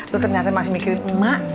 lo ternyata masih mikirin emak